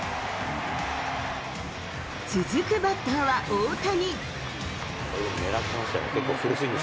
続くバッターは大谷。